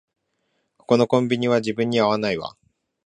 ここのコンビニは自分には合わないわ